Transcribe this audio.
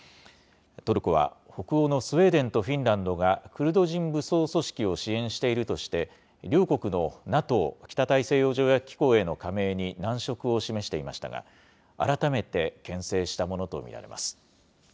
トルコは北欧のスウェーデンとフィンランドが、クルド人武装組織を支援しているとして、両国のＮＡＴＯ・北大西洋条約機構への加盟に難色を示していましたが、改めてけん制したものと見られます。